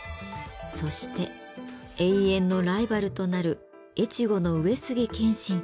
そして永遠のライバルとなる越後の上杉謙信と戦うことになります。